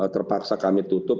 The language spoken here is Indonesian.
terpaksa kami tutup